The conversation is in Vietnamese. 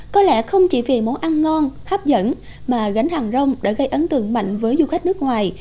có lẽ không chỉ vì món ăn ngon hấp dẫn mà gánh hàng rong đã gây ấn tượng mạnh với du khách nước ngoài